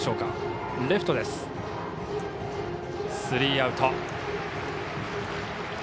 スリーアウト。